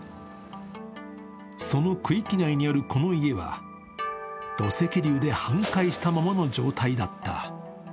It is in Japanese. その区域内にあるこの家は、土石流で半壊したままの状態だった。